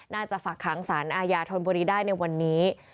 น่าจะฝากข้างศาลอาญาทนบริได้ในวันนี้